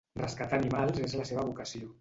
Rescatar animals és la seva vocació.